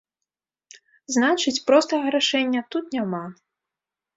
Значыць, простага рашэння тут няма.